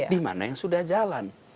di mana yang sudah jalan